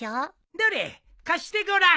どれ貸してごらん。